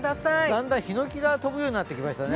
だんだんヒノキが飛ぶようになってきましたね。